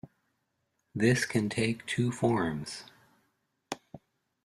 This can take two forms.